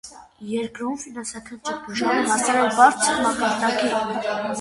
Երկրում ֆինանսական ճգնաժամը հասել էր բարձր մակարդակի։